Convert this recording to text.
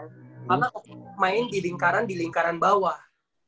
karena orang main di lingkaran di lingkaran bawah